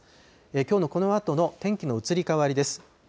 きょうのこのあとの天気の移り変わりです。